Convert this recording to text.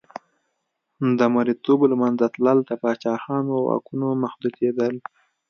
د مریتوب له منځه تلل د پاچاهانو واکونو محدودېدل.